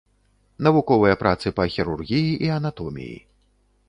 Навуковыя працы па хірургіі і анатоміі.